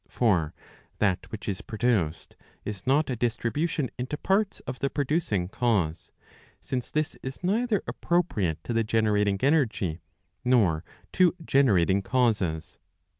For that which is. produced, is not a distribution into parts of the producing cause; since this is. neither appropriate to the generating energy, nor to generating causes.